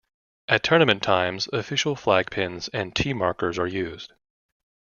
At tournament times, official flag pins and tee markers are used.